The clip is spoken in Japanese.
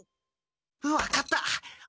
分かった！